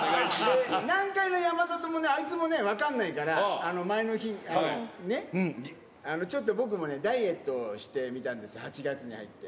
南海の山里もね、あいつも分かんないから、前の日のね、ちょっと僕もね、ダイエットしてみたんです、８月に入って。